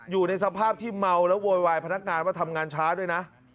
อยู่ในสภาพที่เมาแล้วโวยวายพนักงานว่าทำงานช้าด้วยนะ